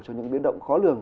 cho những biến động khó lường